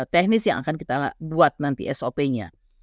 teknis yang akan kita buat nanti sop nya